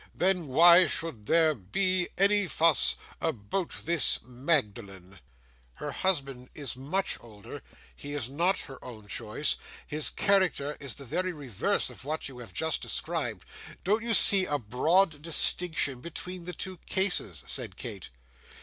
Then why should there by any fuss about this Magdalen?' 'Her husband is much older; he is not her own choice; his character is the very reverse of that which you have just described. Don't you see a broad destinction between the two cases?' said Kate.